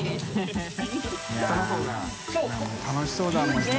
い笋楽しそうだもんな。